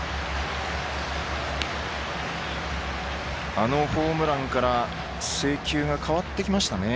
あのホームランから制球が変わってきましたね。